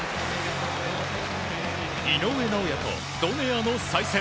井上尚弥とドネアの再戦。